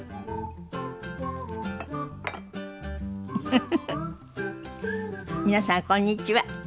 フフフフ皆さんこんにちは。